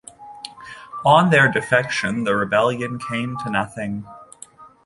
On their defection, the rebellion came to nothing.